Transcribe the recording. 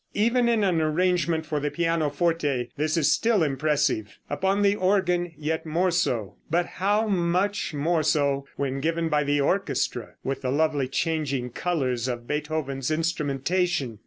Even in an arrangement for the pianoforte this is still impressive; upon the organ yet more so; but how much more so when given by the orchestra, with the lovely changing colors of Beethoven's instrumentation!